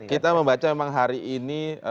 kita membaca memang hari ini